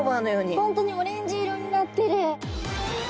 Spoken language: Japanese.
本当にオレンジ色になってる。